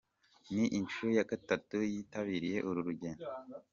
Ni inshuro ya gatatu yitabiriye uru rugendo.